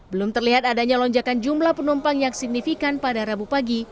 belum terlihat adanya lonjakan jumlah penumpang yang signifikan pada rabu pagi